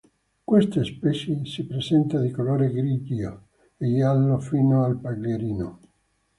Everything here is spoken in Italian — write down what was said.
Questa specie si presenta di colore grigio o giallo fino al paglierino.